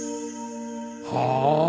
はあ。